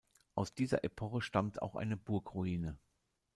Aus dieser Epoche stammt auch eine Burgruine.